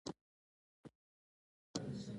ساتونکی راغی او له عسکري بوټو سره یې پر لاس وخوت.